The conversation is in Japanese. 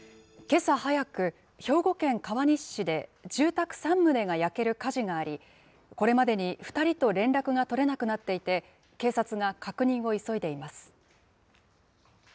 けさ早く、兵庫県川西市で住宅３棟が焼ける火事があり、これまでに２人と連絡が取れなくなっていて、警察が確認を急いでいます。